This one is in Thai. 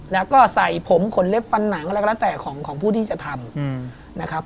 แล้วก็ใส่ผมขนเล็บฟันหนังอะไรก็แล้วแต่ของผู้ที่จะทำนะครับ